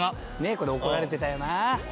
「これ怒られてたよな」